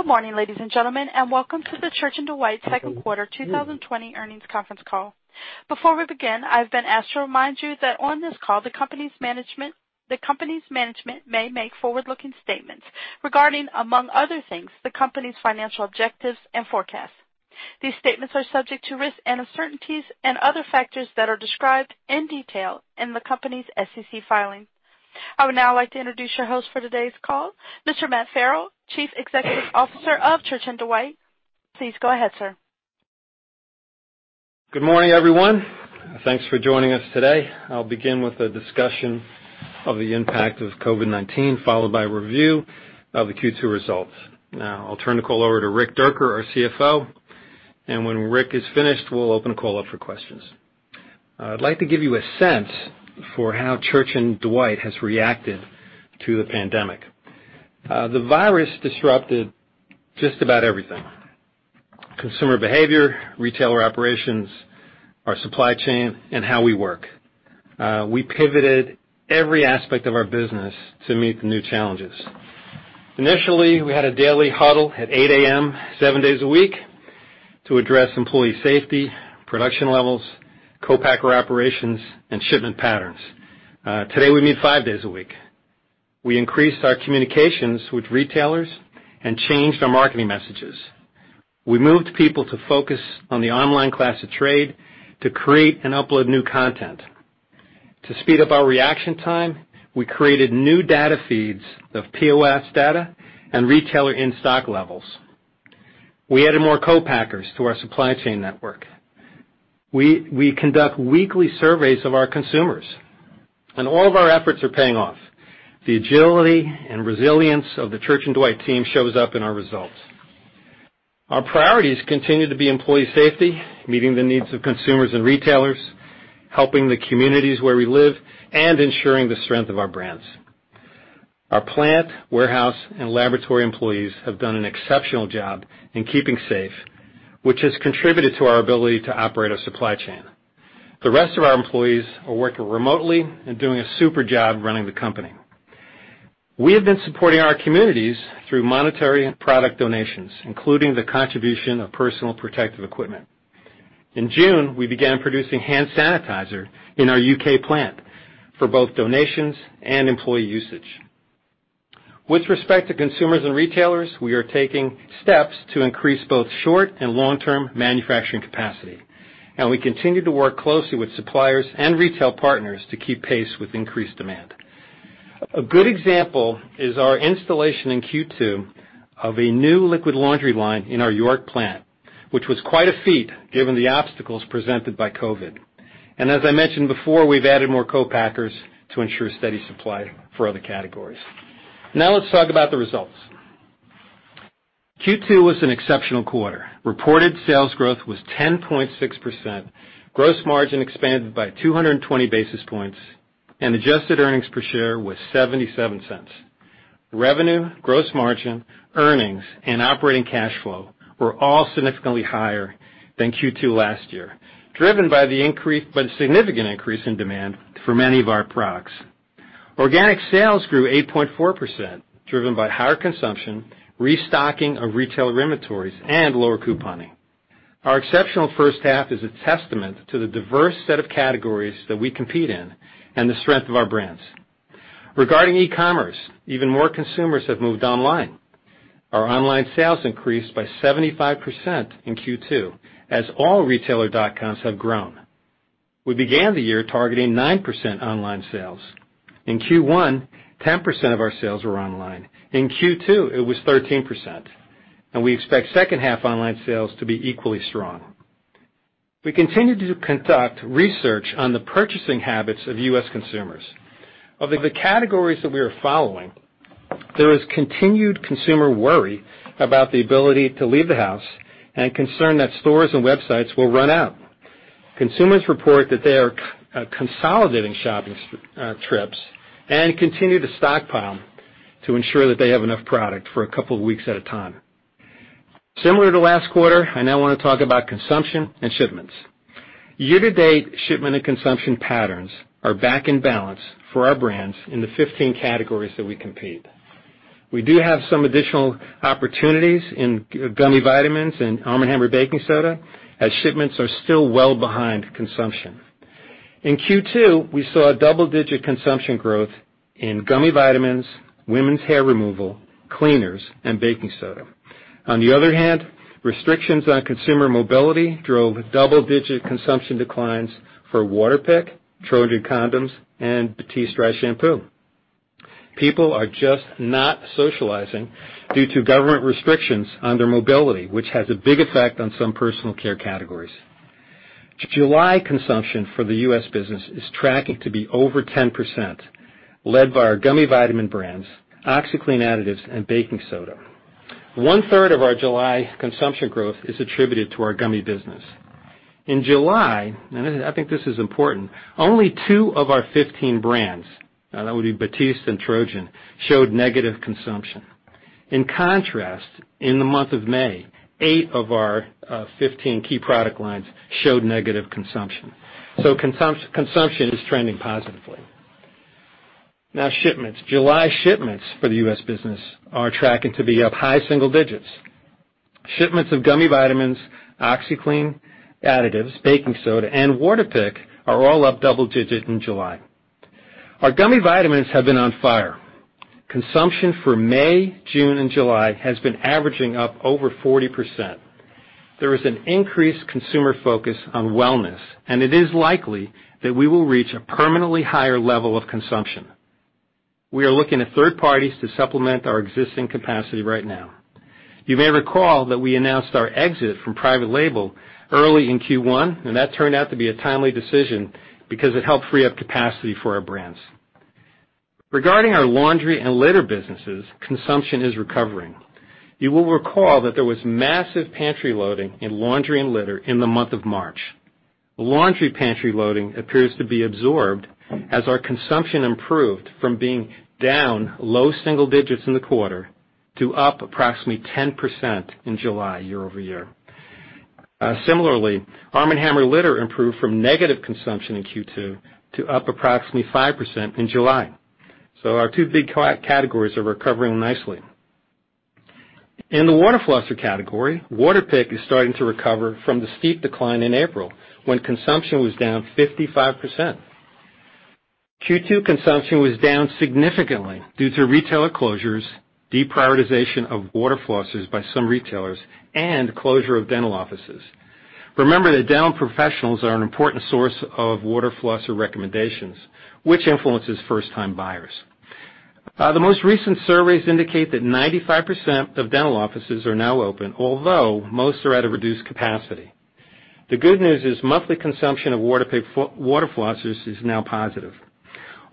Good morning, ladies and gentlemen, and welcome to the Church & Dwight Second Quarter 2020 Earnings Conference Call. Before we begin, I've been asked to remind you that on this call, the company's management may make forward-looking statements regarding, among other things, the company's financial objectives and forecasts. These statements are subject to risks and uncertainties and other factors that are described in detail in the company's SEC filing. I would now like to introduce your host for today's call, Mr. Matt Farrell, Chief Executive Officer of Church & Dwight. Please go ahead, sir. Good morning, everyone. Thanks for joining us today. I'll begin with a discussion of the impact of COVID-19, followed by a review of the Q2 results. Now, I'll turn the call over to Rick Dierker, our CFO, and when Rick is finished, we'll open the call up for questions. I'd like to give you a sense for how Church & Dwight has reacted to the pandemic. The virus disrupted just about everything: consumer behavior, retailer operations, our supply chain, and how we work. We pivoted every aspect of our business to meet the new challenges. Initially, we had a daily huddle at 8:00 A.M., seven days a week, to address employee safety, production levels, co-packer operations, and shipment patterns. Today, we meet five days a week. We increased our communications with retailers and changed our marketing messages. We moved people to focus on the online class of trade to create and upload new content. To speed up our reaction time, we created new data feeds of POS data and retailer in-stock levels. We added more co-packers to our supply chain network. We conduct weekly surveys of our consumers, and all of our efforts are paying off. The agility and resilience of the Church & Dwight team shows up in our results. Our priorities continue to be employee safety, meeting the needs of consumers and retailers, helping the communities where we live, and ensuring the strength of our brands. Our plant, warehouse, and laboratory employees have done an exceptional job in keeping safe, which has contributed to our ability to operate our supply chain. The rest of our employees are working remotely and doing a super job running the company. We have been supporting our communities through monetary and product donations, including the contribution of personal protective equipment. In June, we began producing hand sanitizer in our U.K. plant for both donations and employee usage. With respect to consumers and retailers, we are taking steps to increase both short and long-term manufacturing capacity, and we continue to work closely with suppliers and retail partners to keep pace with increased demand. A good example is our installation in Q2 of a new liquid laundry line in our York plant, which was quite a feat given the obstacles presented by COVID. As I mentioned before, we've added more co-packers to ensure steady supply for other categories. Now, let's talk about the results. Q2 was an exceptional quarter. Reported sales growth was 10.6%, gross margin expanded by 220 basis points, and adjusted earnings per share was $0.77. Revenue, gross margin, earnings, and operating cash flow were all significantly higher than Q2 last year, driven by the significant increase in demand for many of our products. Organic sales grew 8.4%, driven by higher consumption, restocking of retailer inventories, and lower couponing. Our exceptional first half is a testament to the diverse set of categories that we compete in and the strength of our brands. Regarding e-commerce, even more consumers have moved online. Our online sales increased by 75% in Q2, as all retailer dot-coms have grown. We began the year targeting 9% online sales. In Q1, 10% of our sales were online. In Q2, it was 13%, and we expect second half online sales to be equally strong. We continue to conduct research on the purchasing habits of U.S. consumers. Of the categories that we are following, there is continued consumer worry about the ability to leave the house and concern that stores and websites will run out. Consumers report that they are consolidating shopping trips and continue to stockpile to ensure that they have enough product for a couple of weeks at a time. Similar to last quarter, I now want to talk about consumption and shipments. Year-to-date shipment and consumption patterns are back in balance for our brands in the 15 categories that we compete. We do have some additional opportunities in gummy vitamins and Arm & Hammer baking soda, as shipments are still well behind consumption. In Q2, we saw double-digit consumption growth in gummy vitamins, women's hair removal, cleaners, and baking soda. On the other hand, restrictions on consumer mobility drove double-digit consumption declines for Waterpik, Trojan condoms, and Batiste Dry Shampoo. People are just not socializing due to government restrictions on their mobility, which has a big effect on some personal care categories. July consumption for the U.S. business is tracking to be over 10%, led by our gummy vitamin brands, OxiClean additives, and baking soda. One-third of our July consumption growth is attributed to our gummy business. In July, and I think this is important, only two of our 15 brands, that would be BATISTE and TROJAN, showed negative consumption. In contrast, in the month of May, eight of our 15 key product lines showed negative consumption. Consumption is trending positively. Now, shipments. July shipments for the U.S. business are tracking to be up high single digits. Shipments of gummy vitamins, OxiClean additives, baking soda, and WATERPIK are all up double-digit in July. Our gummy vitamins have been on fire. Consumption for May, June, and July has been averaging up over 40%. There is an increased consumer focus on wellness, and it is likely that we will reach a permanently higher level of consumption. We are looking at third parties to supplement our existing capacity right now. You may recall that we announced our exit from private label early in Q1, and that turned out to be a timely decision because it helped free up capacity for our brands. Regarding our laundry and litter businesses, consumption is recovering. You will recall that there was massive pantry loading in laundry and litter in the month of March. Laundry pantry loading appears to be absorbed as our consumption improved from being down low single digits in the quarter to up approximately 10% in July year over year. Similarly, Arm & Hammer litter improved from negative consumption in Q2 to up approximately 5% in July. Our two big categories are recovering nicely. In the water flosser category, Waterpik is starting to recover from the steep decline in April when consumption was down 55%. Q2 consumption was down significantly due to retailer closures, deprioritization of water flossers by some retailers, and closure of dental offices. Remember that dental professionals are an important source of water flosser recommendations, which influences first-time buyers. The most recent surveys indicate that 95% of dental offices are now open, although most are at a reduced capacity. The good news is monthly consumption of Waterpik water flossers is now positive.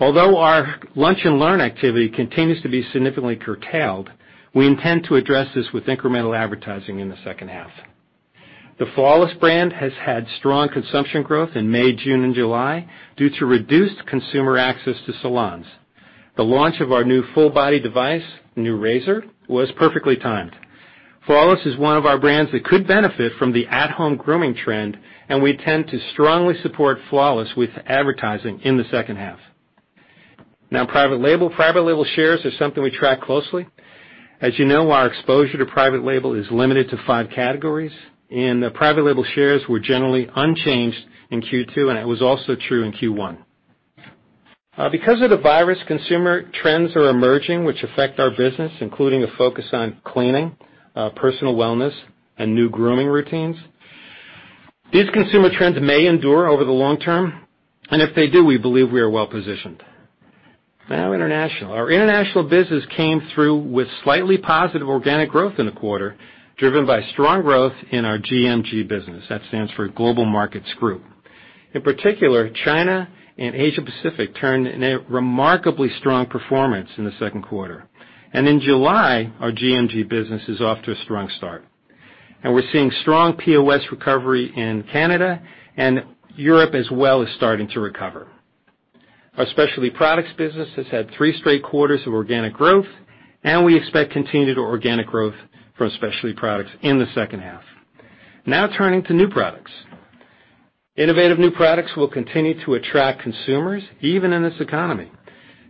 Although our lunch and learn activity continues to be significantly curtailed, we intend to address this with incremental advertising in the second half. The Flawless brand has had strong consumption growth in May, June, and July due to reduced consumer access to salons. The launch of our new full-body device, New Razor, was perfectly timed. Flawless is one of our brands that could benefit from the at-home grooming trend, and we tend to strongly support Flawless with advertising in the second half. Now, private label. Private label shares are something we track closely. As you know, our exposure to private label is limited to five categories, and the private label shares were generally unchanged in Q2, and it was also true in Q1. Because of the virus, consumer trends are emerging which affect our business, including a focus on cleaning, personal wellness, and new grooming routines. These consumer trends may endure over the long term, and if they do, we believe we are well positioned. Now, international. Our international business came through with slightly positive organic growth in the quarter, driven by strong growth in our GMG business. That stands for Global Markets Group. In particular, China and Asia-Pacific turned in a remarkably strong performance in the second quarter, and in July, our GMG business is off to a strong start. We are seeing strong POS recovery in Canada, and Europe as well is starting to recover. Our specialty products business has had three straight quarters of organic growth, and we expect continued organic growth from specialty products in the second half. Now, turning to new products. Innovative new products will continue to attract consumers, even in this economy.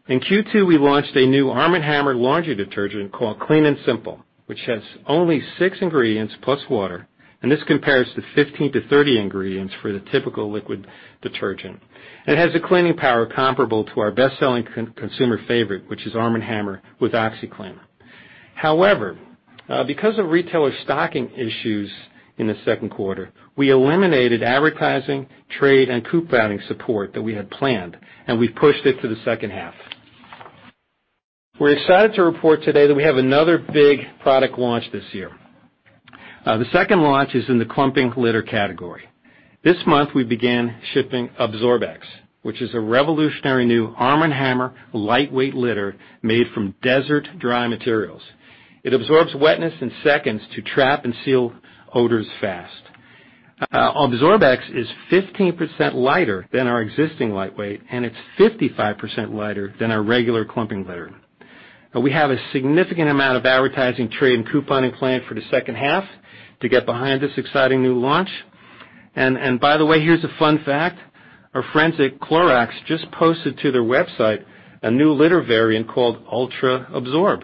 In Q2, we launched a new ARM & HAMMER laundry detergent called Clean & Simple, which has only six ingredients plus water, and this compares to 15-30 ingredients for the typical liquid detergent. It has a cleaning power comparable to our best-selling consumer favorite, which is Arm & Hammer with OxiClean. However, because of retailer stocking issues in the second quarter, we eliminated advertising, trade, and couponing support that we had planned, and we have pushed it to the second half. We are excited to report today that we have another big product launch this year. The second launch is in the clumping litter category. This month, we began shipping AbsorbX, which is a revolutionary new Arm & Hammer lightweight litter made from desert-dry materials. It absorbs wetness in seconds to trap and seal odors fast. AbsorbX is 15% lighter than our existing lightweight, and it is 55% lighter than our regular clumping litter. We have a significant amount of advertising, trade, and couponing planned for the second half to get behind this exciting new launch. By the way, here is a fun fact. Our friends at Clorox just posted to their website a new litter variant called Ultra Absorb,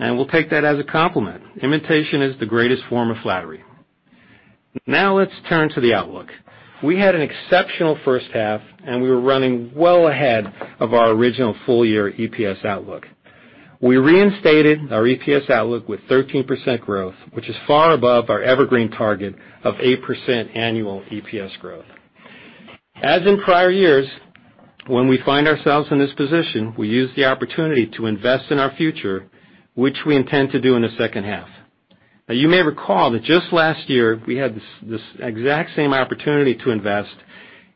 and we'll take that as a compliment. Imitation is the greatest form of flattery. Now, let's turn to the outlook. We had an exceptional first half, and we were running well ahead of our original full-year EPS outlook. We reinstated our EPS outlook with 13% growth, which is far above our evergreen target of 8% annual EPS growth. As in prior years, when we find ourselves in this position, we use the opportunity to invest in our future, which we intend to do in the second half. Now, you may recall that just last year, we had this exact same opportunity to invest,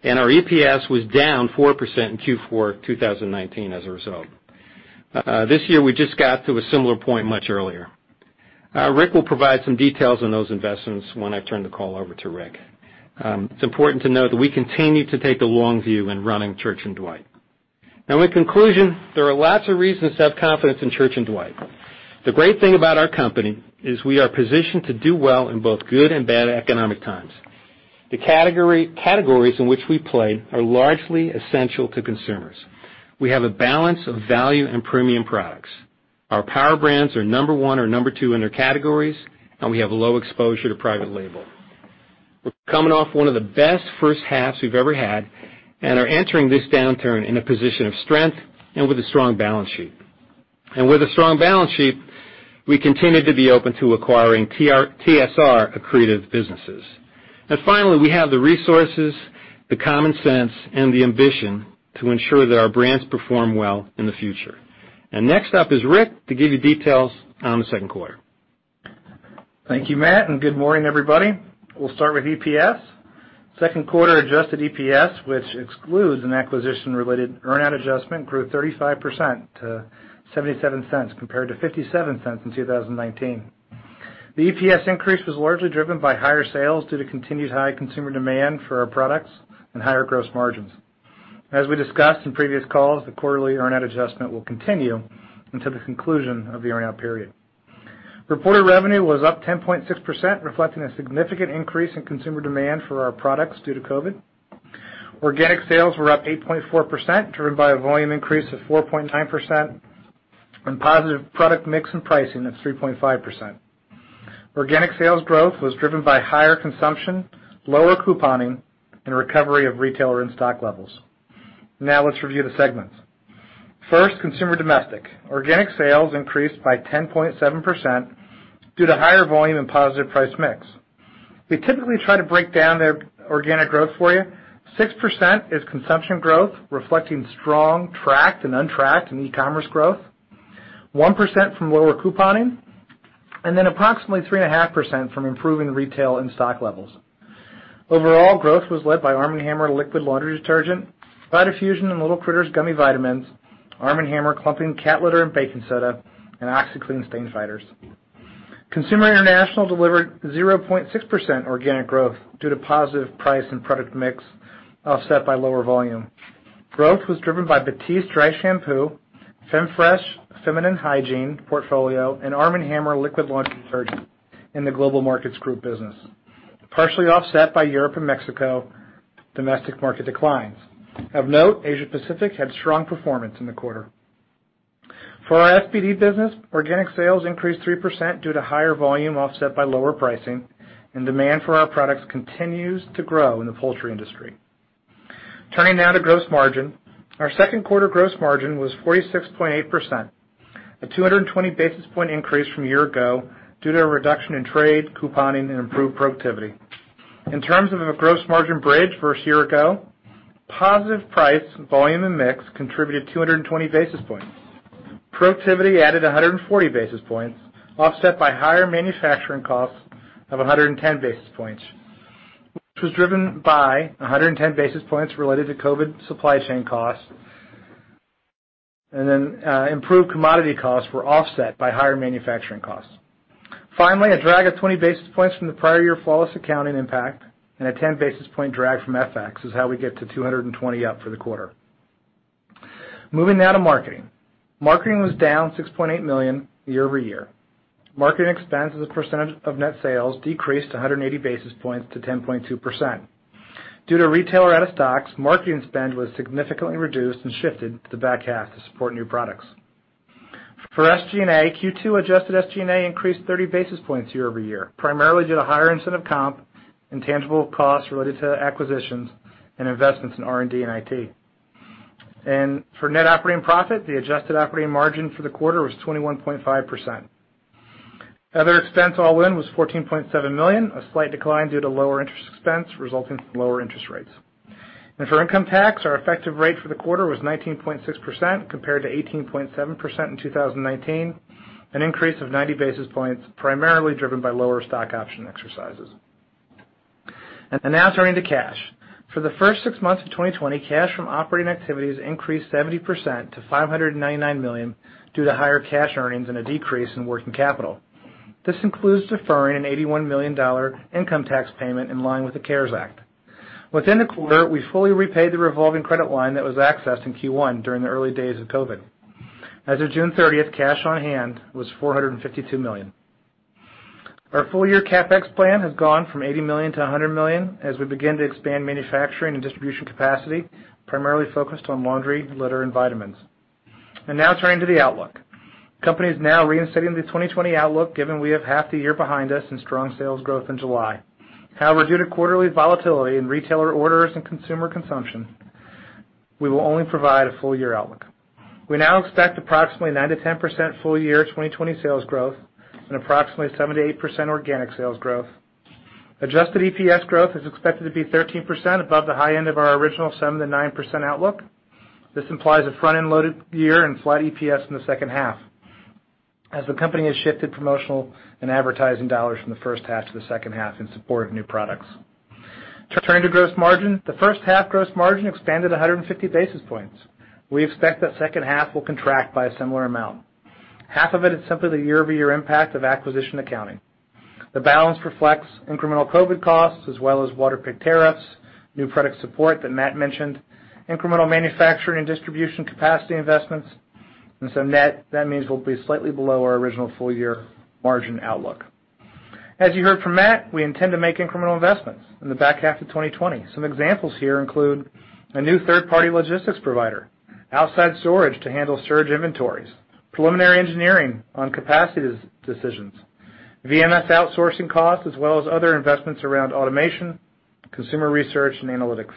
and our EPS was down 4% in Q4 2019 as a result. This year, we just got to a similar point much earlier. Rick will provide some details on those investments when I turn the call over to Rick. It's important to note that we continue to take the long view when running Church & Dwight. Now, in conclusion, there are lots of reasons to have confidence in Church & Dwight. The great thing about our company is we are positioned to do well in both good and bad economic times. The categories in which we play are largely essential to consumers. We have a balance of value and premium products. Our power brands are number one or number two in their categories, and we have low exposure to private label. We're coming off one of the best first halves we've ever had and are entering this downturn in a position of strength and with a strong balance sheet. With a strong balance sheet, we continue to be open to acquiring TSR accretive businesses. Finally, we have the resources, the common sense, and the ambition to ensure that our brands perform well in the future. Next up is Rick to give you details on the second quarter. Thank you, Matt, and good morning, everybody. We'll start with EPS. Second quarter adjusted EPS, which excludes an acquisition-related earn-out adjustment, grew 35% to $0.77 compared to $0.57 in 2019. The EPS increase was largely driven by higher sales due to continued high consumer demand for our products and higher gross margins. As we discussed in previous calls, the quarterly earn-out adjustment will continue until the conclusion of the earn-out period. Reported revenue was up 10.6%, reflecting a significant increase in consumer demand for our products due to COVID. Organic sales were up 8.4%, driven by a volume increase of 4.9% and positive product mix and pricing of 3.5%. Organic sales growth was driven by higher consumption, lower couponing, and recovery of retailer in-stock levels. Now, let's review the segments. First, consumer domestic. Organic sales increased by 10.7% due to higher volume and positive price mix. We typically try to break down their organic growth for you. 6% is consumption growth, reflecting strong tracked and untracked and e-commerce growth. 1% from lower couponing, and then approximately 3.5% from improving retail in-stock levels. Overall, growth was led by ARM & HAMMER liquid laundry detergent, VITAFUSION and L'IL CRITTERS gummy vitamins, ARM & HAMMER clumping cat litter and baking soda, and OXICLEAN stain fighters. Consumer international delivered 0.6% organic growth due to positive price and product mix offset by lower volume. Growth was driven by BATISTE Dry Shampoo, Femme Fresh feminine hygiene portfolio, and ARM & HAMMER liquid laundry detergent in the global markets group business, partially offset by Europe and Mexico domestic market declines. Of note, Asia-Pacific had strong performance in the quarter. For our FPD business, organic sales increased 3% due to higher volume offset by lower pricing, and demand for our products continues to grow in the poultry industry. Turning now to gross margin, our second quarter gross margin was 46.8%, a 220 basis point increase from a year ago due to a reduction in trade, couponing, and improved productivity. In terms of a gross margin bridge versus a year ago, positive price, volume, and mix contributed 220 basis points. Productivity added 140 basis points, offset by higher manufacturing costs of 110 basis points, which was driven by 110 basis points related to COVID supply chain costs, and then improved commodity costs were offset by higher manufacturing costs. Finally, a drag of 20 basis points from the prior year Flawless Accounting impact and a 10 basis point drag from FX is how we get to 220 up for the quarter. Moving now to marketing. Marketing was down $6.8 million year over year. Marketing expense as a percentage of net sales decreased 180 basis points to 10.2%. Due to retailer out-of-stocks, marketing spend was significantly reduced and shifted to the back half to support new products. For SG&A, Q2 adjusted SG&A increased 30 basis points year over year, primarily due to higher incentive comp and tangible costs related to acquisitions and investments in R&D and IT. For net operating profit, the adjusted operating margin for the quarter was 21.5%. Other expense all in was $14.7 million, a slight decline due to lower interest expense resulting from lower interest rates. For income tax, our effective rate for the quarter was 19.6% compared to 18.7% in 2019, an increase of 90 basis points primarily driven by lower stock option exercises. Turning to cash. For the first six months of 2020, cash from operating activities increased 70% to $599 million due to higher cash earnings and a decrease in working capital. This includes deferring an $81 million income tax payment in line with the CARES Act. Within the quarter, we fully repaid the revolving credit line that was accessed in Q1 during the early days of COVID. As of June 30, cash on hand was $452 million. Our full-year CapEx plan has gone from $80 million to $100 million as we begin to expand manufacturing and distribution capacity, primarily focused on laundry, litter, and vitamins. Now turning to the outlook. Company is now reinstating the 2020 outlook, given we have half the year behind us and strong sales growth in July. However, due to quarterly volatility in retailer orders and consumer consumption, we will only provide a full-year outlook. We now expect approximately 9%-10% full-year 2020 sales growth and approximately 7%-8% organic sales growth. Adjusted EPS growth is expected to be 13% above the high end of our original 7%-9% outlook. This implies a front-end loaded year and flat EPS in the second half, as the company has shifted promotional and advertising dollars from the first half to the second half in support of new products. Turning to gross margin, the first half gross margin expanded 150 basis points. We expect that second half will contract by a similar amount. Half of it is simply the year-over-year impact of acquisition accounting. The balance reflects incremental COVID costs as well as Waterpik tariffs, new product support that Matt mentioned, incremental manufacturing and distribution capacity investments. That means we'll be slightly below our original full-year margin outlook. As you heard from Matt, we intend to make incremental investments in the back half of 2020. Some examples here include a new third-party logistics provider, outside storage to handle surge inventories, preliminary engineering on capacity decisions, VMS outsourcing costs, as well as other investments around automation, consumer research, and analytics.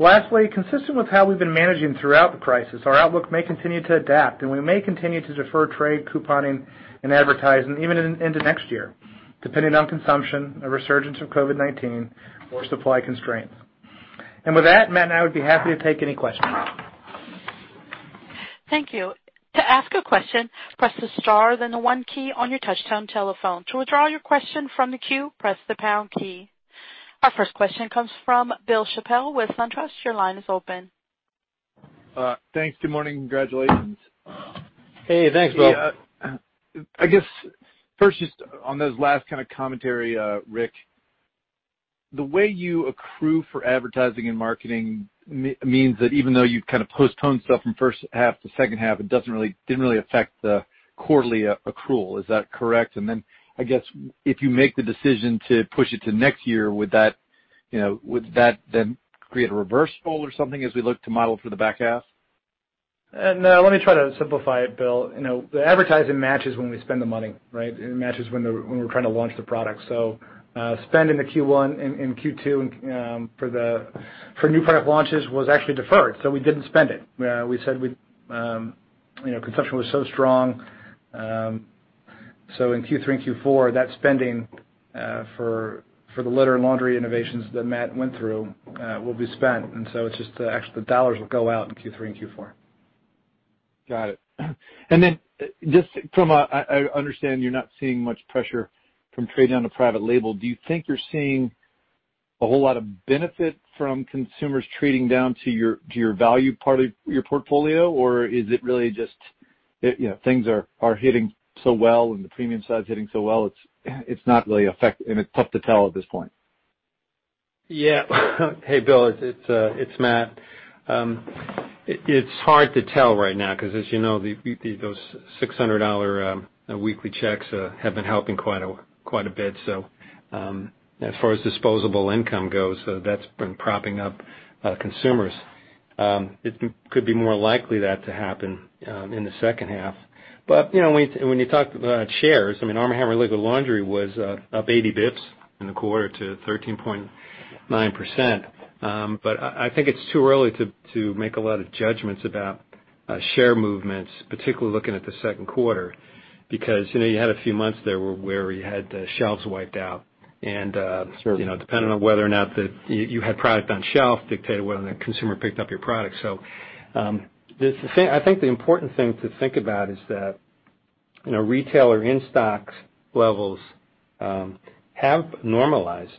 Lastly, consistent with how we've been managing throughout the crisis, our outlook may continue to adapt, and we may continue to defer trade, couponing, and advertising even into next year, depending on consumption, a resurgence of COVID-19, or supply constraints. With that, Matt and I would be happy to take any questions. Thank you. To ask a question, press the star, then the one key on your touch-tone telephone. To withdraw your question from the queue, press the pound key. Our first question comes from Bill Chappell with SunTrust. Your line is open. Thanks. Good morning. Congratulations. Hey, thanks, Bill. I guess first, just on those last kind of commentary, Rick, the way you accrue for advertising and marketing means that even though you've kind of postponed stuff from first half to second half, it didn't really affect the quarterly accrual. Is that correct? I guess if you make the decision to push it to next year, would that then create a reverse fold or something as we look to model for the back half? No, let me try to simplify it, Bill. The advertising matches when we spend the money, right? It matches when we're trying to launch the product. Spend in Q1 and Q2 for new product launches was actually deferred, so we didn't spend it. We said consumption was so strong. In Q3 and Q4, that spending for the litter and laundry innovations that Matt went through will be spent. It is just actually the dollars will go out in Q3 and Q4. Got it. Just from a I understand you're not seeing much pressure from trading on a private label. Do you think you're seeing a whole lot of benefit from consumers trading down to your value part of your portfolio, or is it really just things are hitting so well and the premium side's hitting so well, it's not really affecting? It's tough to tell at this point. Yeah. Hey, Bill, it's Matt. It's hard to tell right now because, as you know, those $600 weekly checks have been helping quite a bit. As far as disposable income goes, that's been propping up consumers. It could be more likely that to happen in the second half. When you talk about shares, I mean, Arm & Hammer liquid laundry was up 80 basis points in the quarter to 13.9%. I think it's too early to make a lot of judgments about share movements, particularly looking at the second quarter, because you had a few months there where you had shelves wiped out. Depending on whether or not you had product on shelf dictated whether or not the consumer picked up your product. I think the important thing to think about is that retailer in-stock levels have normalized.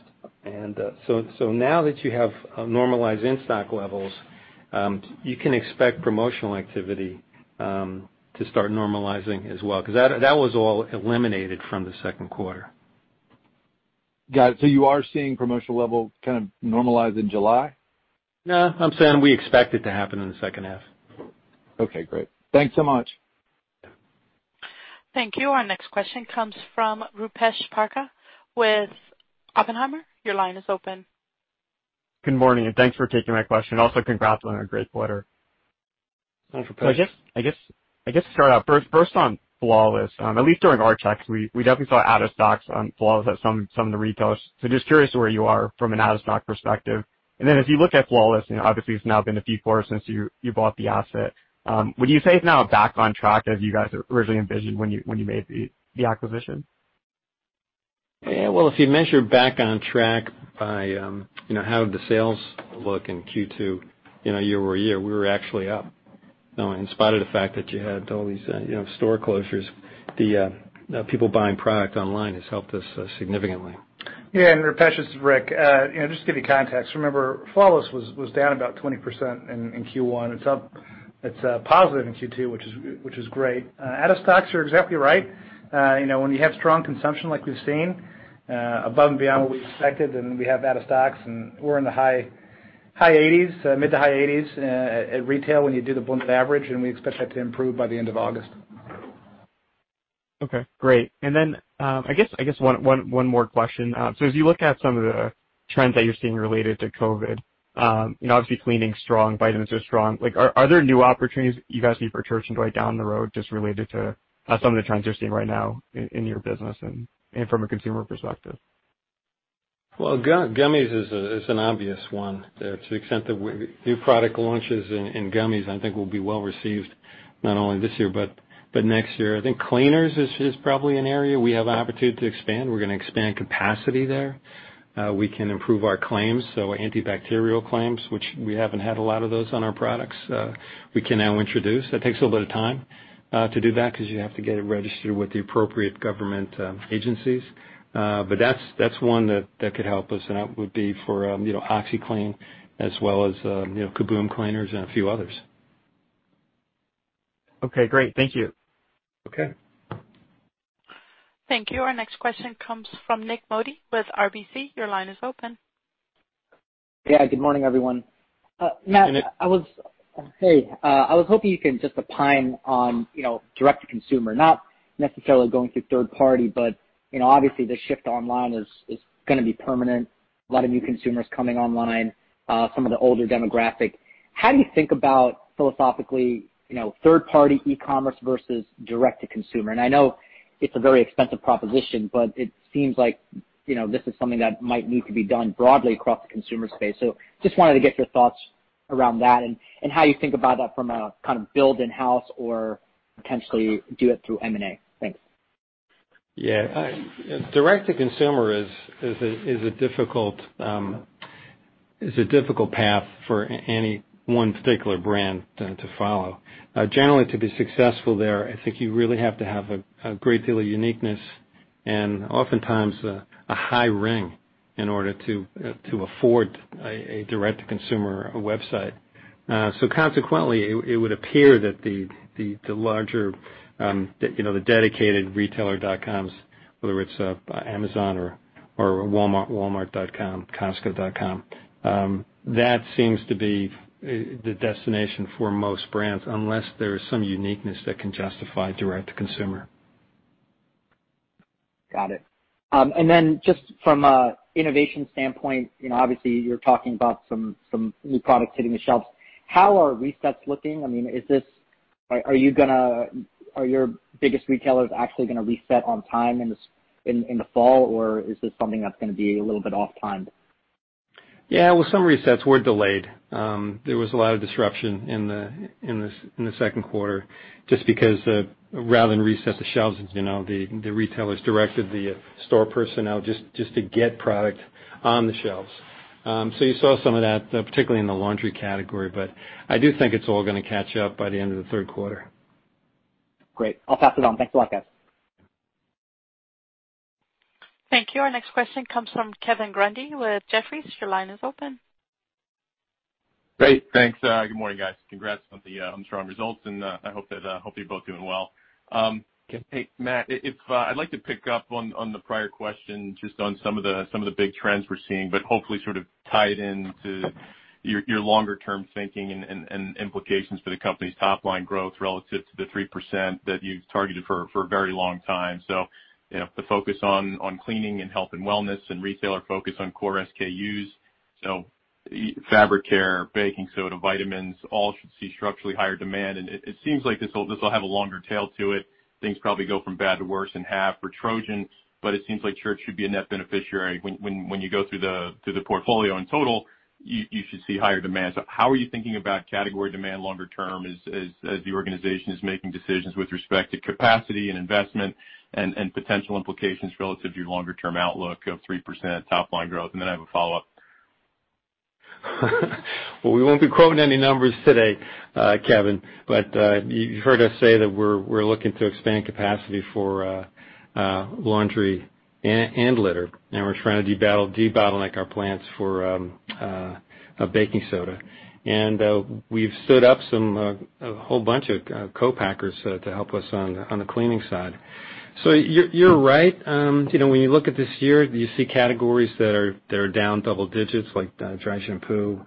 Now that you have normalized in-stock levels, you can expect promotional activity to start normalizing as well because that was all eliminated from the second quarter. Got it. You are seeing promotional level kind of normalize in July? No, I'm saying we expect it to happen in the second half. Okay, great. Thanks so much. Thank you. Our next question comes from Rupesh Parikh with Oppenheimer. Your line is open. Good morning, and thanks for taking my question. Also, congrats on a great quarter. Thanks, Rupesh. I guess to start out, first on Flawless, at least during our checks, we definitely saw out-of-stocks on Flawless at some of the retailers. Just curious where you are from an out-of-stock perspective. As you look at Flawless, obviously, it's now been a few quarters since you bought the asset. Would you say it's now back on track as you guys originally envisioned when you made the acquisition? If you measure back on track by how did the sales look in Q2 year over year, we were actually up. In spite of the fact that you had all these store closures, the people buying product online has helped us significantly. Yeah, and Rupesh, it's Rick, just to give you context, remember, Flawless was down about 20% in Q1. It's positive in Q2, which is great. Out-of-stocks, you're exactly right. When you have strong consumption like we've seen, above and beyond what we expected, then we have out-of-stocks, and we're in the high 80s, mid to high 80s at retail when you do the blended average, and we expect that to improve by the end of August. Okay, great. I guess one more question. As you look at some of the trends that you're seeing related to COVID, obviously cleaning's strong, vitamins are strong. Are there new opportunities you guys see for Church & Dwight down the road just related to some of the trends you're seeing right now in your business and from a consumer perspective? Gummies is an obvious one to the extent that new product launches in gummies, I think, will be well received not only this year but next year. I think cleaners is probably an area. We have an opportunity to expand. We're going to expand capacity there. We can improve our claims, so antibacterial claims, which we haven't had a lot of those on our products, we can now introduce. That takes a little bit of time to do that because you have to get it registered with the appropriate government agencies. That is one that could help us, and that would be for OxiClean as well as Kaboom cleaners and a few others. Okay, great. Thank you. Okay. Thank you. Our next question comes from Nick Modi with RBC. Your line is open. Yeah, good morning, everyone. Matt, hey, I was hoping you can just opine on direct-to-consumer, not necessarily going through third party, but obviously, the shift online is going to be permanent. A lot of new consumers coming online, some of the older demographic. How do you think about philosophically third-party e-commerce versus direct-to-consumer? I know it's a very expensive proposition, but it seems like this is something that might need to be done broadly across the consumer space. Just wanted to get your thoughts around that and how you think about that from a kind of build-in-house or potentially do it through M&A. Thanks. Yeah. Direct-to-consumer is a difficult path for any one particular brand to follow. Generally, to be successful there, I think you really have to have a great deal of uniqueness and oftentimes a high ring in order to afford a direct-to-consumer website. Consequently, it would appear that the larger dedicated retailer.coms, whether it's Amazon or Walmart, Walmart.com, Costco.com, that seems to be the destination for most brands unless there is some uniqueness that can justify direct-to-consumer. Got it. Just from an innovation standpoint, obviously, you're talking about some new products hitting the shelves. How are resets looking? I mean, are your biggest retailers actually going to reset on time in the fall, or is this something that's going to be a little bit off-timed? Yeah, with some resets, we're delayed. There was a lot of disruption in the second quarter just because rather than reset the shelves, the retailers directed the store personnel just to get product on the shelves. You saw some of that, particularly in the laundry category, but I do think it's all going to catch up by the end of the third quarter. Great. I'll pass it on. Thanks a lot, guys. Thank you. Our next question comes from Kevin Grundy with Jefferies. Your line is open. Great. Thanks. Good morning, guys. Congrats on the strong results, and I hope you're both doing well. Hey, Matt, I'd like to pick up on the prior question just on some of the big trends we're seeing, but hopefully sort of tie it into your longer-term thinking and implications for the company's top-line growth relative to the 3% that you've targeted for a very long time. The focus on cleaning and health and wellness and retailer focus on core SKUs, so fabric care, baking soda, vitamins, all should see structurally higher demand. It seems like this will have a longer tail to it. Things probably go from bad to worse and have for Trojan, but it seems like Church should be a net beneficiary. When you go through the portfolio in total, you should see higher demand. How are you thinking about category demand longer term as the organization is making decisions with respect to capacity and investment and potential implications relative to your longer-term outlook of 3% top-line growth? I have a follow-up. We will not be quoting any numbers today, Kevin, but you have heard us say that we are looking to expand capacity for laundry and litter, and we are trying to debottleneck our plants for baking soda. We have stood up a whole bunch of co-packers to help us on the cleaning side. You are right. When you look at this year, you see categories that are down double digits like dry shampoo,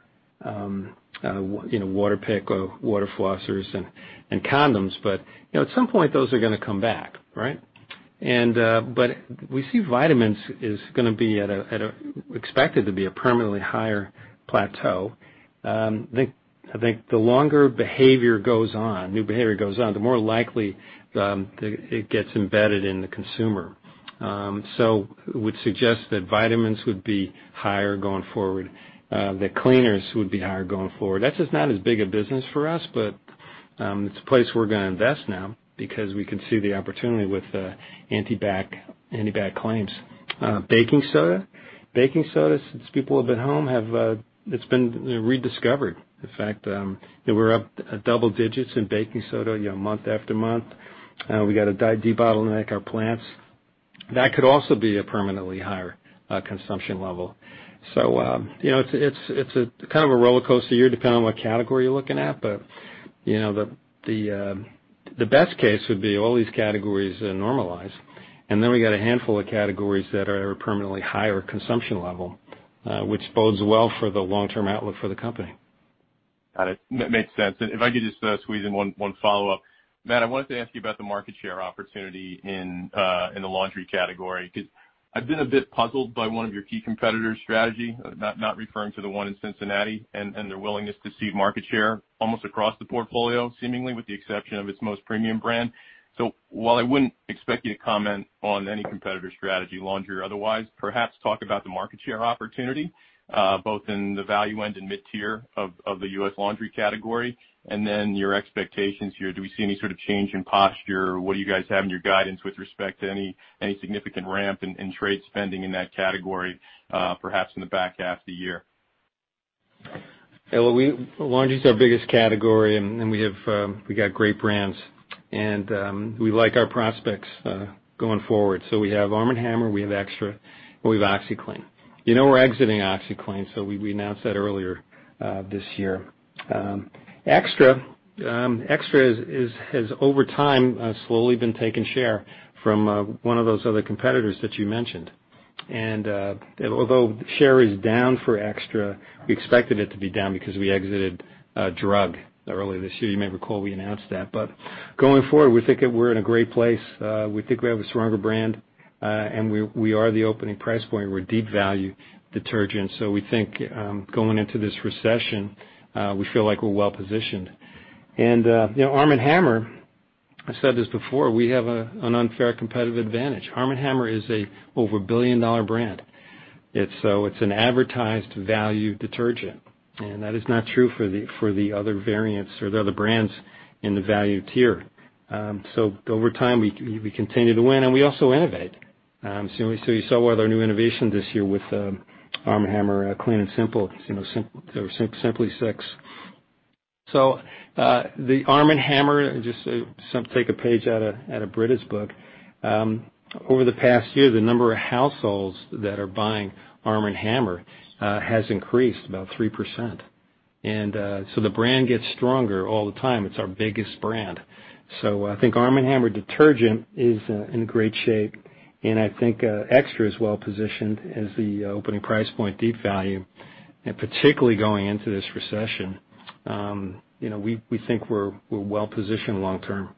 Waterpik, water flossers, and condoms. At some point, those are going to come back, right? We see vitamins is going to be expected to be a permanently higher plateau. I think the longer behavior goes on, new behavior goes on, the more likely it gets embedded in the consumer. It would suggest that vitamins would be higher going forward, that cleaners would be higher going forward. That is just not as big a business for us, but it is a place we are going to invest now because we can see the opportunity with anti-back claims. Baking soda, since people have been home, it has been rediscovered. In fact, we are up double digits in baking soda month after month. We have to debottleneck our plants. That could also be a permanently higher consumption level. It is kind of a roller coaster year depending on what category you are looking at, but the best case would be all these categories normalize, and then we have a handful of categories that are at a permanently higher consumption level, which bodes well for the long-term outlook for the company. Got it. That makes sense. If I could just squeeze in one follow-up, Matt, I wanted to ask you about the market share opportunity in the laundry category because I have been a bit puzzled by one of your key competitors' strategy, not referring to the one in Cincinnati, and their willingness to cede market share almost across the portfolio, seemingly with the exception of its most premium brand. While I would not expect you to comment on any competitor strategy, laundry or otherwise, perhaps talk about the market share opportunity both in the value end and mid-tier of the U.S. laundry category. And then your expectations here, do we see any sort of change in posture? What do you guys have in your guidance with respect to any significant ramp in trade spending in that category, perhaps in the back half of the year? Yeah, laundry is our biggest category, and we have great brands, and we like our prospects going forward. We have ARM & HAMMER, we have XTRA, and we have OXICLEAN. We are exiting OXICLEAN, so we announced that earlier this year. XTRA has, over time, slowly been taking share from one of those other competitors that you mentioned. Although share is down for XTRA, we expected it to be down because we exited drug early this year. You may recall we announced that. Going forward, we think we are in a great place. We think we have a stronger brand, and we are the opening price point. We are deep value detergents. We think going into this recession, we feel like we are well positioned. Arm & Hammer, I said this before, we have an unfair competitive advantage. Arm & Hammer is an over $1 billion brand. It is an advertised value detergent, and that is not true for the other variants or the other brands in the value tier. Over time, we continue to win, and we also innovate. You saw one of our new innovations this year with Arm & Hammer Clean & Simple. They were Simply Six. The Arm & Hammer, just take a page out of Britta's book, over the past year, the number of households that are buying Arm & Hammer has increased about 3%. The brand gets stronger all the time. It is our biggest brand. I think Arm & Hammer detergent is in great shape, and I think XTRA is well positioned as the opening price point, deep value, and particularly going into this recession. We think we are well positioned long-term.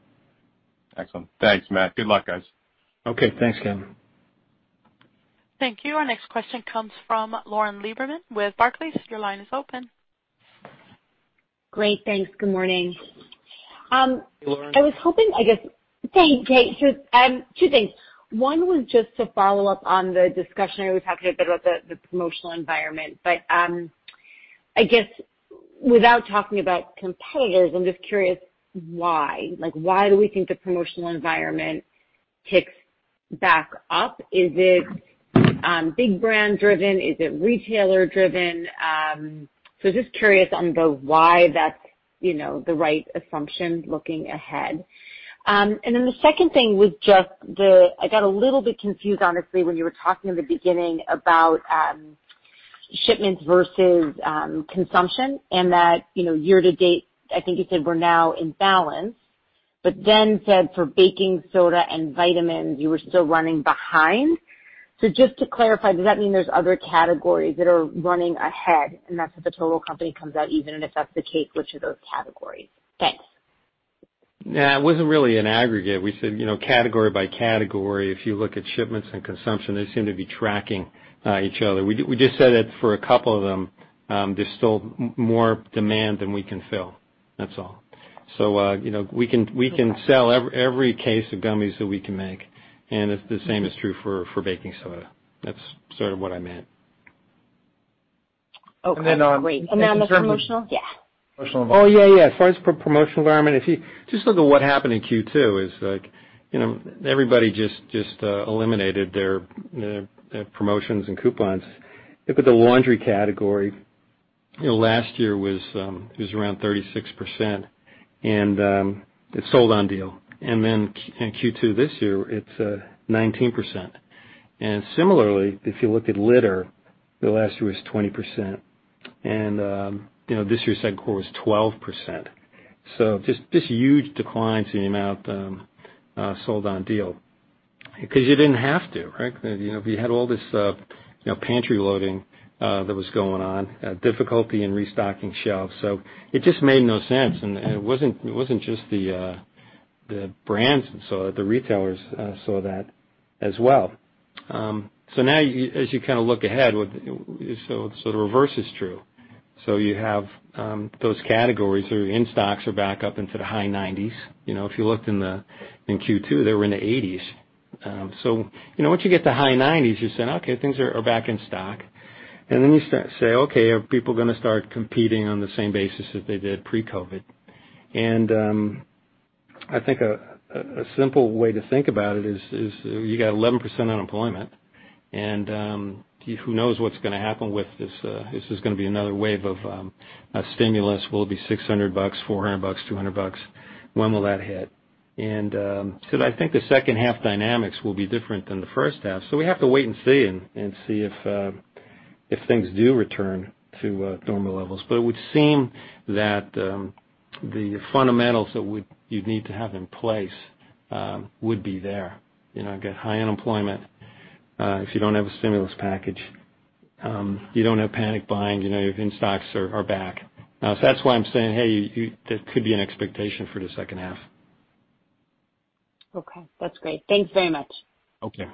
Excellent. Thanks, Matt. Good luck, guys. Okay, thanks, Kevin. Thank you. Our next question comes from Lauren Lieberman with Barclays. Your line is open. Great. Thanks. Good morning. Hey, Lauren. I was hoping, I guess, two things. One was just to follow up on the discussion. We talked a bit about the promotional environment, but I guess without talking about competitors, I am just curious why. Why do we think the promotional environment ticks back up? Is it big brand driven? Is it retailer driven? Just curious on why that's the right assumption looking ahead. The second thing was just I got a little bit confused, honestly, when you were talking in the beginning about shipments versus consumption and that year to date, I think you said we're now in balance, but then said for baking soda and vitamins, you were still running behind. Just to clarify, does that mean there's other categories that are running ahead? That's what the total company comes out even, and if that's the case, which of those categories? Thanks. Yeah, it wasn't really an aggregate. We said category by category, if you look at shipments and consumption, they seem to be tracking each other. We just said that for a couple of them, there's still more demand than we can fill. That's all. So we can sell every case of gummies that we can make, and the same is true for baking soda. That's sort of what I meant. Okay. Great. And then the promotional? Yeah. Oh, yeah, yeah. As far as the promotional environment, if you just look at what happened in Q2, everybody just eliminated their promotions and coupons. The laundry category last year was around 36%, and it sold on deal. In Q2 this year, it's 19%. Similarly, if you look at litter, last year was 20%, and this year's headquarters was 12%. Just huge declines in the amount sold on deal because you did not have to, right? If you had all this pantry loading that was going on, difficulty in restocking shelves, it just made no sense. It was not just the brands that saw it; the retailers saw that as well. Now, as you kind of look ahead, the reverse is true. You have those categories that are in stocks are back up into the high 90%. If you looked in Q2, they were in the 80%. Once you get to high 90%, you are saying, "Okay, things are back in stock." Then you say, "Okay, are people going to start competing on the same basis as they did pre-COVID?" I think a simple way to think about it is you got 11% unemployment, and who knows what is going to happen with this? This is going to be another wave of stimulus. Will it be $600, $400, $200? When will that hit? I think the second half dynamics will be different than the first half. We have to wait and see and see if things do return to normal levels. It would seem that the fundamentals that you'd need to have in place would be there. You get high unemployment. If you don't have a stimulus package, you don't have panic buying. Your in-stocks are back. That's why I'm saying, "Hey, that could be an expectation for the second half." Okay. That's great. Thanks very much. Okay.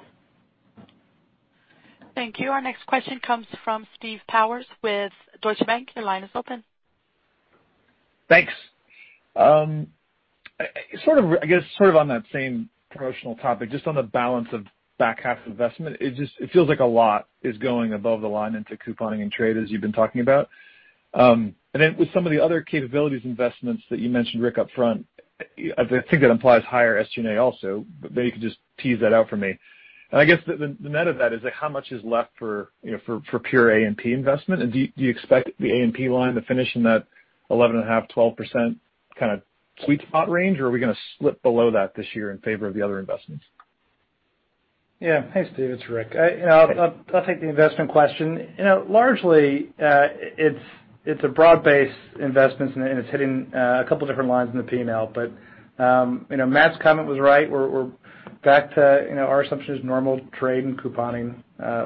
Thank you. Our next question comes from Steve Powers with Deutsche Bank. Your line is open. Thanks. I guess sort of on that same promotional topic, just on the balance of back half investment, it feels like a lot is going above the line into couponing and trade as you've been talking about. With some of the other capabilities investments that you mentioned, Rick, upfront, I think that implies higher SG&A also, but maybe you could just tease that out for me. I guess the net of that is how much is left for pure A&P investment? Do you expect the A&P line to finish in that 11.5-12% kind of sweet spot range, or are we going to slip below that this year in favor of the other investments? Yeah. Hey, Steve. It's Rick. I'll take the investment question. Largely, it's a broad-based investment, and it's hitting a couple of different lines in the P&L. Matt's comment was right. We're back to our assumption is normal trade and couponing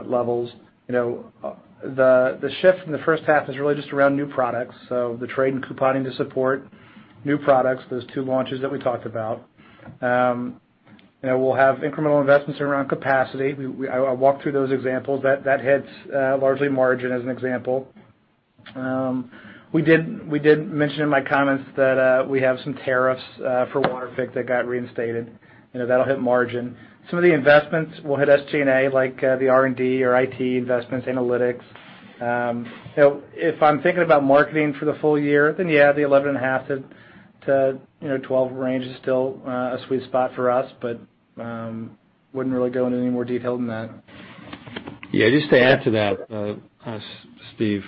levels. The shift in the first half is really just around new products. So the trade and couponing to support new products, those two launches that we talked about. We'll have incremental investments around capacity. I walked through those examples. That hits largely margin as an example. We did mention in my comments that we have some tariffs for Waterpik that got reinstated. That'll hit margin. Some of the investments will hit SG&A, like the R&D or IT investments, analytics. If I'm thinking about marketing for the full year, then yeah, the 11.5%-12% range is still a sweet spot for us, but wouldn't really go into any more detail than that. Yeah. Just to add to that, Steve,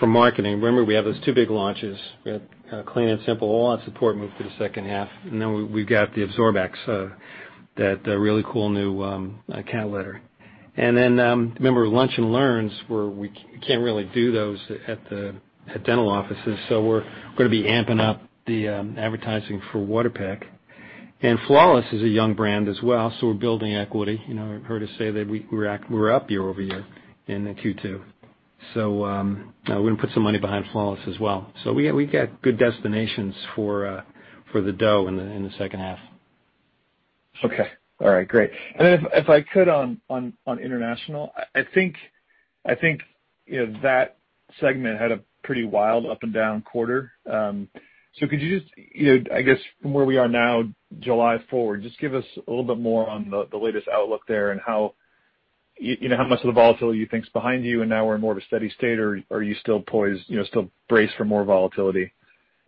for marketing, remember we have those two big launches. We have Clean & Simple. All that support moved to the second half. Then we have the AbsorbX, that really cool new cat litter. Remember, lunch and learns where we cannot really do those at dental offices. We are going to be amping up the advertising for Waterpik. Flawless is a young brand as well, so we are building equity. I heard us say that we were up year over year in Q2. We are going to put some money behind Flawless as well. We have good destinations for the dough in the second half. Okay. All right. Great. If I could on international, I think that segment had a pretty wild up and down quarter. Could you just, I guess, from where we are now, July forward, just give us a little bit more on the latest outlook there and how much of the volatility you think is behind you and now we're in more of a steady state or are you still braced for more volatility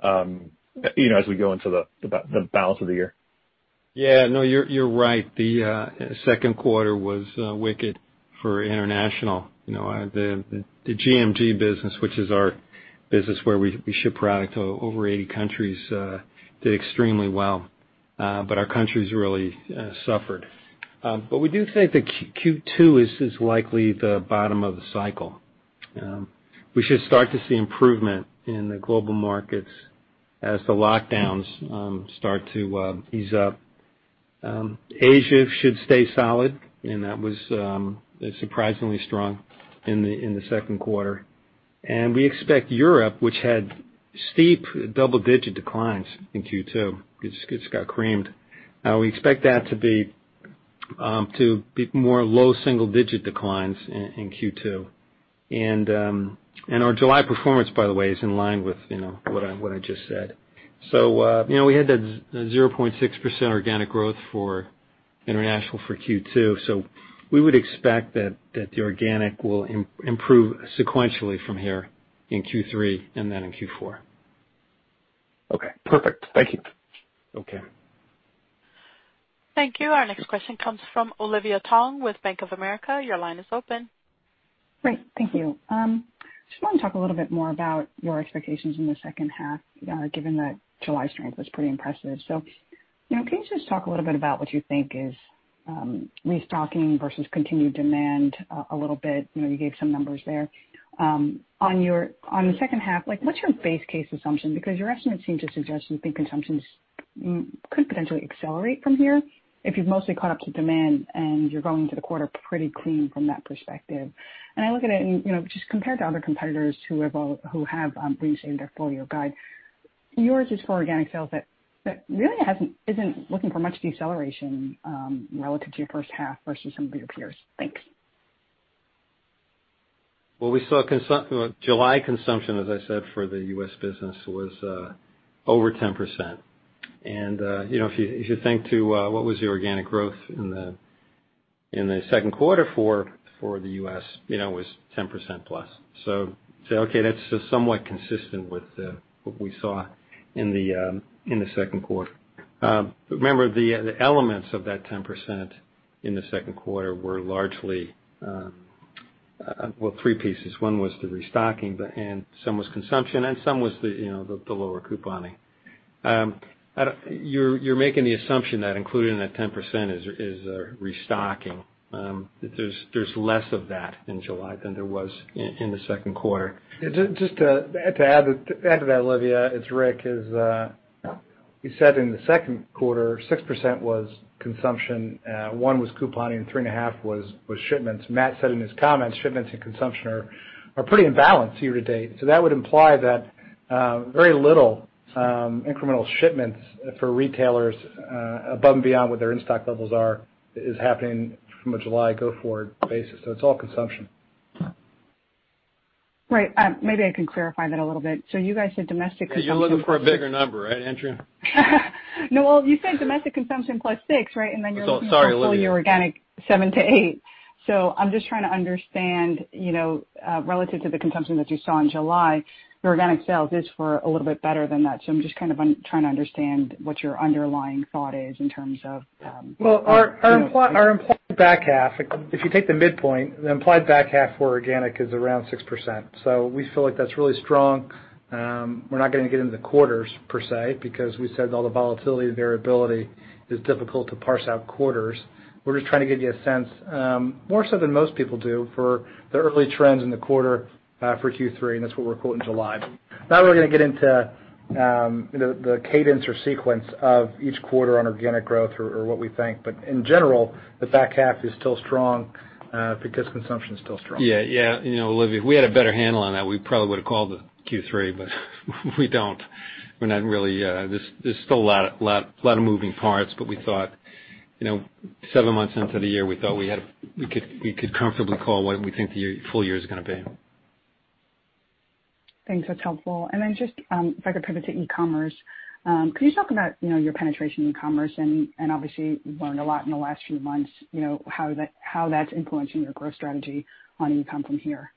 as we go into the balance of the year? Yeah. No, you're right. The second quarter was wicked for international. The GMG business, which is our business where we ship product to over 80 countries, did extremely well. Our countries really suffered. We do think that Q2 is likely the bottom of the cycle. We should start to see improvement in the global markets as the lockdowns start to ease up. Asia should stay solid, and that was surprisingly strong in the second quarter. We expect Europe, which had steep double-digit declines in Q2, it's got creamed. We expect that to be more low single-digit declines in Q2. Our July performance, by the way, is in line with what I just said. We had that 0.6% organic growth for international for Q2. We would expect that the organic will improve sequentially from here in Q3 and then in Q4. Okay. Perfect. Thank you. Okay. Thank you. Our next question comes from Olivia Tong with Bank of America. Your line is open. Great. Thank you. I just want to talk a little bit more about your expectations in the second half, given that July strength was pretty impressive. Can you just talk a little bit about what you think is restocking versus continued demand a little bit? You gave some numbers there. On the second half, what's your base case assumption? Because your estimates seem to suggest you think consumption could potentially accelerate from here if you've mostly caught up to demand and you're going into the quarter pretty clean from that perspective. I look at it and just compared to other competitors who have reinstated their full-year guide, yours is for organic sales that really isn't looking for much deceleration relative to your first half versus some of your peers. Thanks. We saw July consumption, as I said, for the U.S. business was over 10%. If you think to what was your organic growth in the second quarter for the U.S., it was 10% plus. That is somewhat consistent with what we saw in the second quarter. Remember, the elements of that 10% in the second quarter were largely, well, three pieces. One was the restocking, and some was consumption, and some was the lower couponing. You're making the assumption that included in that 10% is restocking. There's less of that in July than there was in the second quarter. Just to add to that, Olivia, it's Rick. He said in the second quarter, 6% was consumption. One was couponing. 3.5 was shipments. Matt said in his comments, shipments and consumption are pretty in balance year to date. That would imply that very little incremental shipments for retailers above and beyond what their in-stock levels are is happening from a July go forward basis. It's all consumption. Right. Maybe I can clarify that a little bit. You guys said domestic consumption. You're looking for a bigger number, right, Andrew? No, you said domestic consumption plus 6, right? Then you're looking for your organic 7-8. I'm just trying to understand relative to the consumption that you saw in July, your organic sales is for a little bit better than that. I'm just kind of trying to understand what your underlying thought is in terms of. Our implied back half, if you take the midpoint, the implied back half for organic is around 6%. We feel like that's really strong. We're not going to get into the quarters per se because we said all the volatility and variability is difficult to parse out quarters. We're just trying to give you a sense, more so than most people do, for the early trends in the quarter for Q3, and that's what we're quoting July. Now we're going to get into the cadence or sequence of each quarter on organic growth or what we think. In general, the back half is still strong because consumption is still strong. Yeah. Yeah. Olivia, if we had a better handle on that, we probably would have called it Q3, but we do not. We are not really, there is still a lot of moving parts, but we thought seven months into the year, we thought we could comfortably call what we think the full year is going to be. Thanks. That is helpful. If I could pivot to e-commerce, could you talk about your penetration in e-commerce? Obviously, you have learned a lot in the last few months, how that is influencing your growth strategy on e-com from here.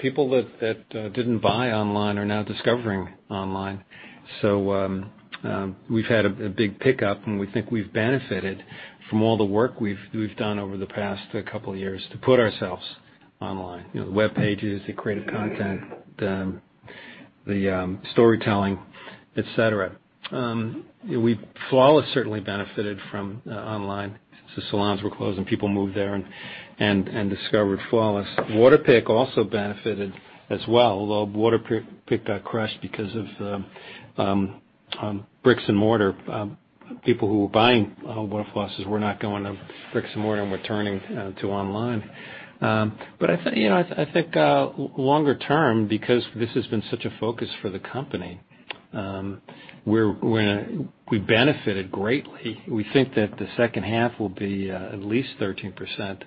People that did not buy online are now discovering online. We have had a big pickup, and we think we have benefited from all the work we have done over the past couple of years to put ourselves online. The web pages, the creative content, the storytelling, etc. Flawless certainly benefited from online since the salons were closed and people moved there and discovered Flawless. Waterpik also benefited as well. Although Waterpik got crushed because of bricks and mortar. People who were buying water flossers were not going to bricks and mortar and were turning to online. I think longer term, because this has been such a focus for the company, we benefited greatly. We think that the second half will be at least 13%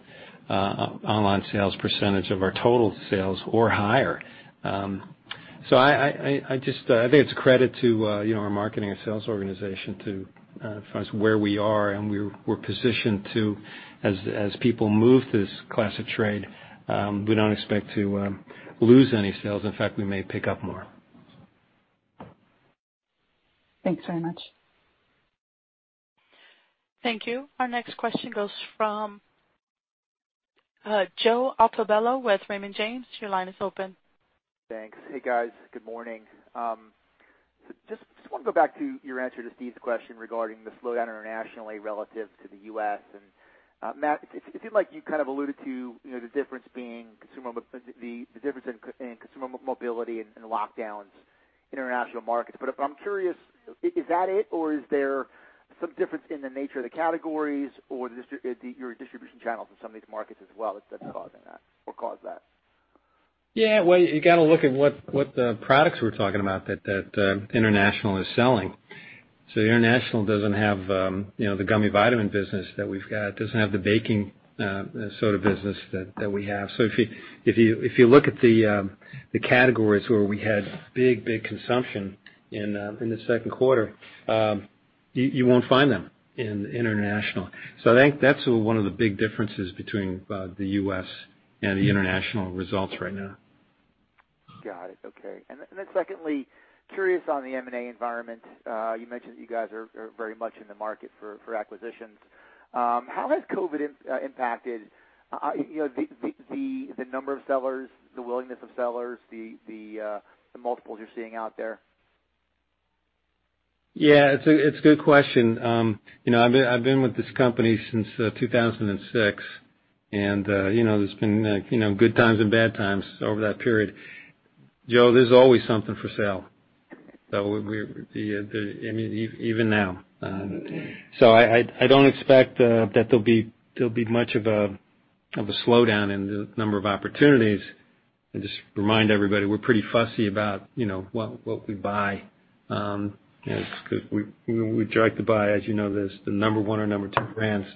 online sales percentage of our total sales or higher. I think it's a credit to our marketing and sales organization to find where we are. We're positioned to, as people move to this class of trade, we don't expect to lose any sales. In fact, we may pick up more. Thanks very much. Thank you. Our next question goes from Joe Altobello with Raymond James. Your line is open. Thanks. Hey, guys. Good morning. Just want to go back to your answer to Steve's question regarding the slowdown internationally relative to the U.S. And Matt, it seemed like you kind of alluded to the difference being the difference in consumer mobility and lockdowns, international markets. But I'm curious, is that it, or is there some difference in the nature of the categories or your distribution channels in some of these markets as well that's causing that or caused that? Yeah. You got to look at what the products we're talking about that international is selling. International does not have the gummy vitamin business that we've got. It does not have the baking soda business that we have. If you look at the categories where we had big, big consumption in the second quarter, you won't find them in international. I think that's one of the big differences between the U.S. and the international results right now. Got it. Okay. Secondly, curious on the M&A environment. You mentioned that you guys are very much in the market for acquisitions. How has COVID impacted the number of sellers, the willingness of sellers, the multiples you're seeing out there? Yeah. It's a good question. I've been with this company since 2006, and there's been good times and bad times over that period. Joe, there's always something for sale. I mean, even now. I don't expect that there'll be much of a slowdown in the number of opportunities. I just remind everybody we're pretty fussy about what we buy because we would like to buy, as you know, the number one or number two brands.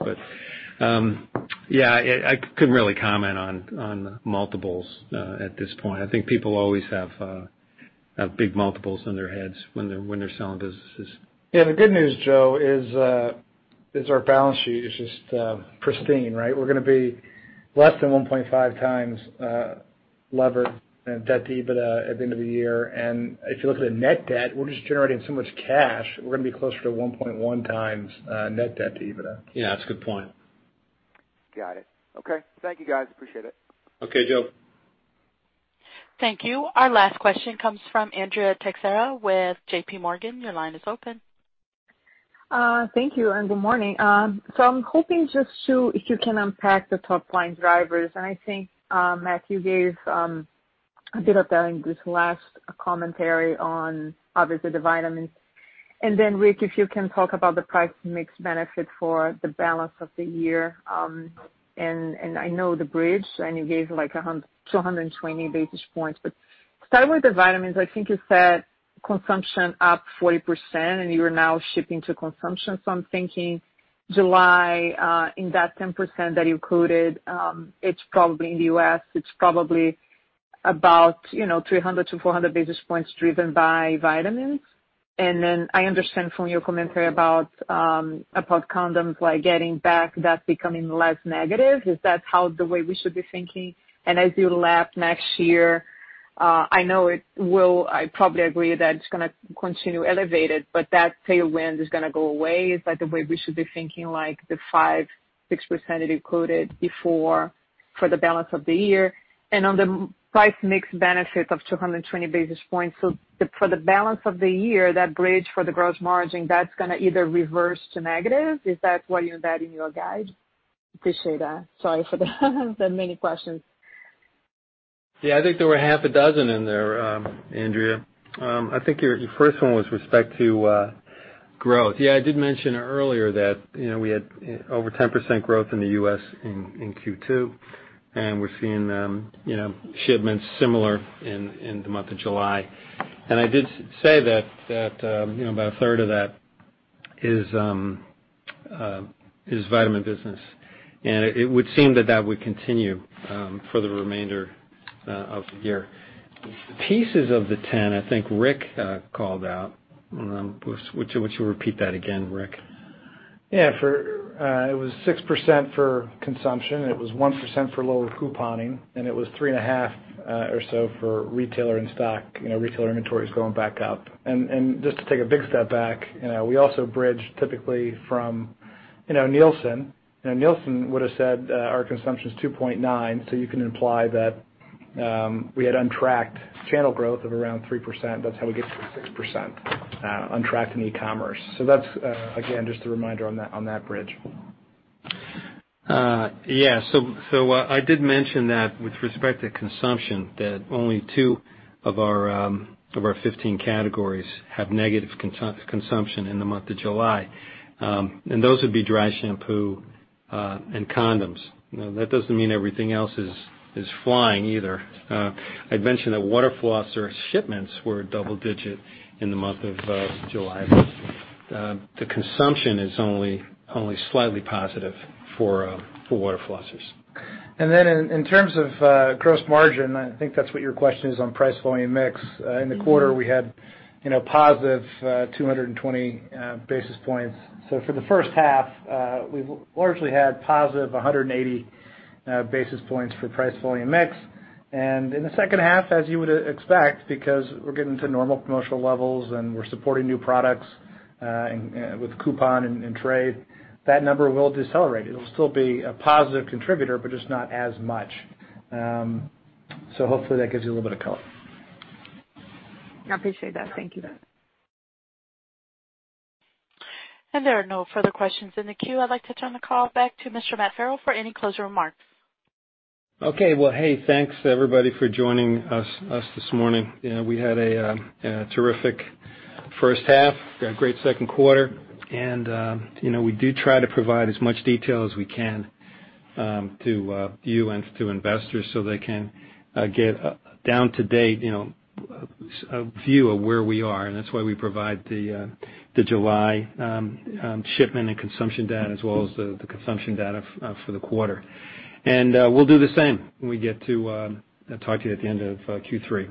Yeah, I couldn't really comment on multiples at this point. I think people always have big multiples in their heads when they're selling businesses. Yeah. The good news, Joe, is our balance sheet is just pristine, right? We're going to be less than 1.5 times levered debt to EBITDA at the end of the year. If you look at the net debt, we're just generating so much cash, we're going to be closer to 1.1 times net debt to EBITDA. Yeah. That's a good point. Got it. Okay. Thank you, guys. Appreciate it. Okay, Joe. Thank you. Our last question comes from Andrea Teixeira with J.P. Morgan. Your line is open. Thank you. Good morning. I'm hoping just to, if you can, unpack the top line drivers. I think Matthew gave a bit of that in this last commentary on, obviously, the vitamins. Rick, if you can talk about the price-to-mix benefit for the balance of the year. I know the bridge, and you gave like 220 basis points. Starting with the vitamins, I think you said consumption up 40%, and you're now shipping to consumption. I'm thinking July, in that 10% that you quoted, it's probably in the U.S., it's probably about 300-400 basis points driven by vitamins. I understand from your commentary about condoms getting back, that's becoming less negative. Is that how the way we should be thinking? As you lap next year, I know it will, I probably agree that it's going to continue elevated, but that tailwind is going to go away. Is that the way we should be thinking, like the 5%-6% that you quoted before for the balance of the year? And on the price-mix benefit of 220 basis points, for the balance of the year, that bridge for the gross margin, that's going to either reverse to negative. Is that what you had in your guide? Appreciate that. Sorry for the many questions. Yeah. I think there were half a dozen in there, Andrea. I think your first one was with respect to growth. Yeah. I did mention earlier that we had over 10% growth in the U.S. in Q2, and we're seeing shipments similar in the month of July. I did say that about a third of that is vitamin business. It would seem that that would continue for the remainder of the year. Pieces of the 10, I think Rick called out. Would you repeat that again, Rick? Yeah. It was 6% for consumption, and it was 1% for lower couponing, and it was 3.5 or so for retailer in stock, retailer inventories going back up. Just to take a big step back, we also bridged typically from Nielsen. Nielsen would have said our consumption is 2.9, so you can imply that we had untracked channel growth of around 3%. That is how we get to 6% untracked in e-commerce. That is, again, just a reminder on that bridge. I did mention that with respect to consumption, only two of our 15 categories have negative consumption in the month of July. Those would be dry shampoo and condoms. That does not mean everything else is flying either. I had mentioned that water flosser shipments were double-digit in the month of July. The consumption is only slightly positive for water flossers. In terms of gross margin, I think that is what your question is on price-volume mix. In the quarter, we had positive 220 basis points. For the first half, we have largely had positive 180 basis points for price-volume mix. In the second half, as you would expect, because we are getting to normal commercial levels and we are supporting new products with coupon and trade, that number will decelerate. It will still be a positive contributor, but just not as much. Hopefully that gives you a little bit of color. I appreciate that. Thank you. There are no further questions in the queue. I'd like to turn the call back to Mr. Matt Farrell for any closing remarks. Okay. Hey, thanks everybody for joining us this morning. We had a terrific first half, a great second quarter. We do try to provide as much detail as we can to you and to investors so they can get a down-to-date view of where we are. That is why we provide the July shipment and consumption data as well as the consumption data for the quarter. We will do the same when we get to talk to you at the end of Q3.